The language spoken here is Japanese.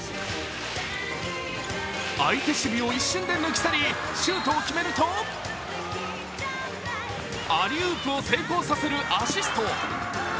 相手守備を一瞬で抜き去りシュートを決めるとアリウープを成功させるアシスト。